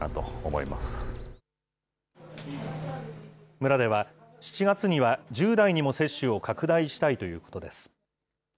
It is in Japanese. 村では、７月には１０代にも接種を拡大したいということです。